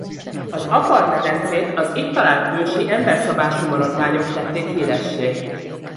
Az Afar-medencét az itt talált ősi emberszabású-maradványok tették híressé.